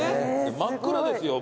真っ暗ですよ。